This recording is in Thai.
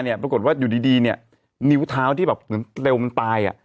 ปรากฏว่าอยู่ดีเนี่ยนิ้วเท้าที่แบบเหมือนเร็วมันตาย